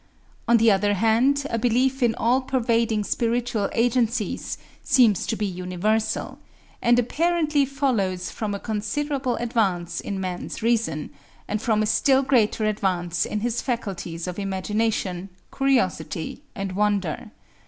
On the other hand a belief in all pervading spiritual agencies seems to be universal; and apparently follows from a considerable advance in man's reason, and from a still greater advance in his faculties of imagination, curiosity and wonder.